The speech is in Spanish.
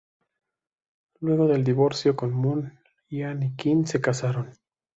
Luego del divorcio con Moon, Ian y Kim se casaron.